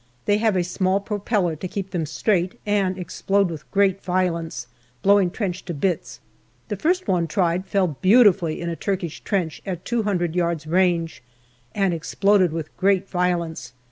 They have a small propeller to keep them straight, and explode with great violence, blowing trench to bits. The first one tried fell beautifully in a Turkish trench at two hundred yards' range, and exploded with great violence.